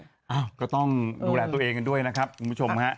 ก็ต้องดูแลตัวเองกันด้วยนะครับคุณผู้ชมฮะ